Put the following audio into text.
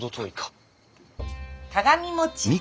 鏡餅。